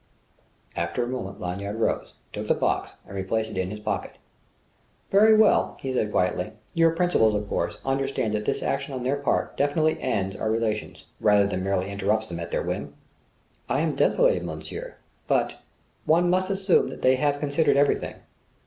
After a moment Lanyard rose, took the box, and replaced it in his pocket. "Very well," he said quietly. "Your principals, of course, understand that this action on their part definitely ends our relations, rather than merely interrupts them at their whim?" "I am desolated, monsieur, but ... one must assume that they have considered everything.